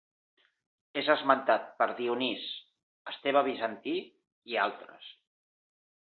És esmentat per Dionís, Esteve Bizantí i altres.